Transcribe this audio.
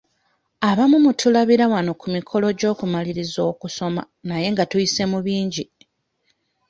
Abamu mutulabira wano ku mikolo gy'okumaliriza okusoma naye nga bye tuyiseemu bingi.